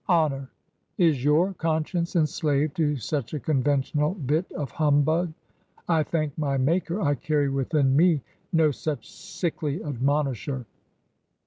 Honour ! Is your conscience enslaved to such a con ventional bit of humbug ? I thank my Maker I carry within me no such sickly admpnisher.